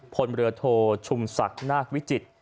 พ่นเหลือโทชุมสักนากวิจิตร